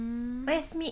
おやすみ。